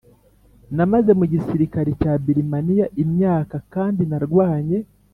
Namaze mu gisirikare cya Birimaniya imyaka kandi narwanye